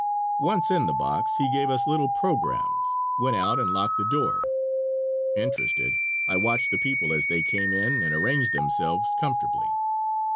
Once in the box, he gave us little programmes, went out, and locked the door. Interested, I watched the people as they came in and arranged themselves comfortably.